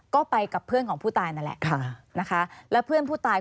ก็ไปกับเพื่อนของผู้ตายนั่นแหละ